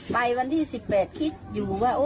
ไปวันที่สิบแปดคิดอยู่ว่า